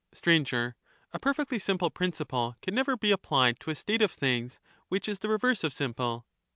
Str, A perfectly simple principle can never be applied to a state of things which is the reverse of simple.